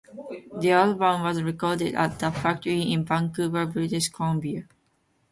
The album was recorded at The Factory in Vancouver, British Columbia.